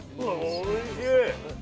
おいしい。